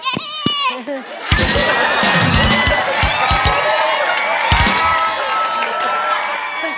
เย้